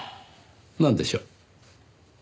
なんでしょう？